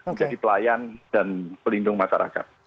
menjadi pelayan dan pelindung masyarakat